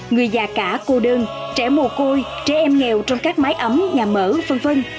người già cả cô đơn trẻ mồ côi trẻ em nghèo trong các mái ấm nhà mở vân vân